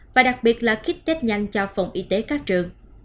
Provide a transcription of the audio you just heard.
và đặc biệt là kích tết nhanh cho phòng y tế các trường